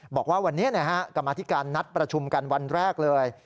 บอกว่าวันนี้กรรมธิการนัดประชุมกันวันแรกเลย